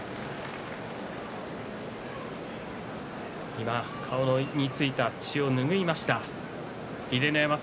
今、顔についた血を拭いました。